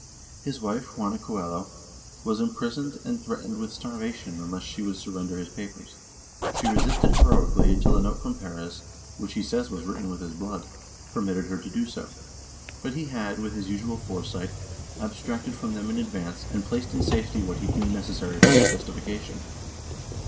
His wife, Juana Coello, was imprisoned and threatened with starvation unless she would surrender his papers; she resisted heroically until a note from Perez, which he says was written with his blood, permitted her to do so, but he had, with his usual foresight, abstracted from them in advance and placed in safety what he deemed necessary for his justification.